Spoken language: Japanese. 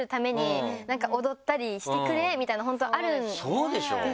そうでしょ！